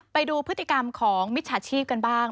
ไปดูพฤติกรรมของมิจฉาชีพกันบ้าง